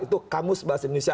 itu kamus bahasa indonesia